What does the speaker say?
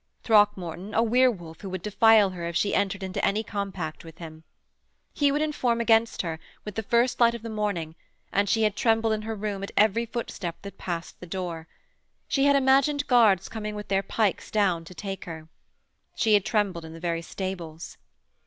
Throckmorton, a werewolf who would defile her if she entered into any compact with him. He would inform against her, with the first light of the morning, and she had trembled in her room at every footstep that passed the door. She had imagined guards coming with their pikes down to take her. She had trembled in the very stables.